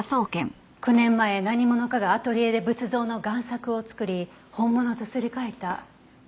９年前何者かがアトリエで仏像の贋作を作り本物とすり替えた。